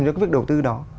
cho cái việc đầu tư đó